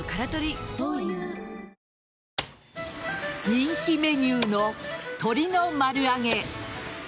人気メニューの鶏の丸揚げ。